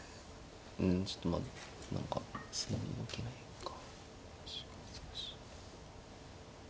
うんちょっとまあ何か素直に動けないか。